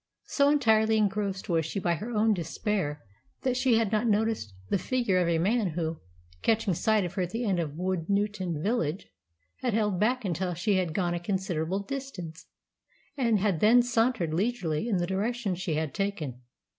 So entirely engrossed was she by her own despair that she had not noticed the figure of a man who, catching sight of her at the end of Woodnewton village, had held back until she had gone a considerable distance, and had then sauntered leisurely in the direction she had taken.